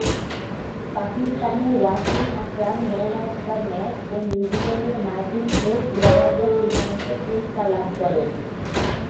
পাকিস্তানের Wasim Akram man of the match ও নিউজিল্যান্ডের Martin Crowe player of the টুর্নামেন্টের পুরস্কার লাভ করেন।